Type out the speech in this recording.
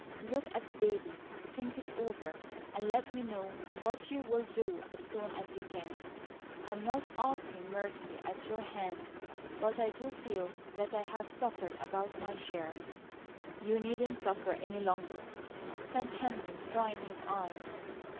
Look at the baby; think it over; and let me know what you'll do as soon as you can. I'm not asking mercy at your hands, but I do feel that I have suffered about my share." "You needn't suffer any longer," said Henry, drying his eyes.